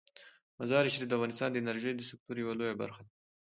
مزارشریف د افغانستان د انرژۍ د سکتور یوه لویه برخه ده.